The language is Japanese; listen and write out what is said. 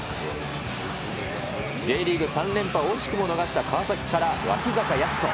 Ｊリーグ３連覇を惜しくも逃した川崎から脇坂泰斗。